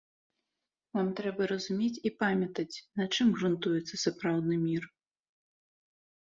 Нам трэба разумець і памятаць, на чым грунтуецца сапраўдны мір.